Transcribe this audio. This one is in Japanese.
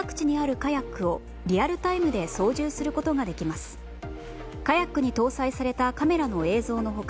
カヤックに搭載されたカメラの映像の他